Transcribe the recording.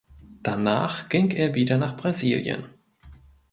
Danach ging er wieder nach Brasilien.